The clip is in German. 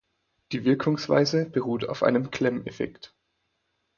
Die Wirkungsweise beruht auf einem Klemm-Effekt.